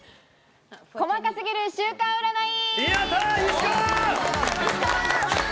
細かすぎる週間占い！